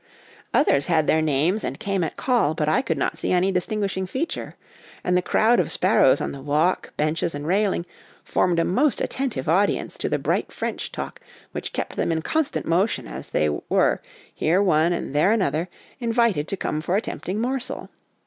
Others had their names and came at call, but I could not see any distinguishing feature ; and the crowd of sparrows on the walk, benches and railing, formed a most attentive audience to the bright French talk which kept them in constant motion as they were, here one and there another, invited to come for a tempting morsel.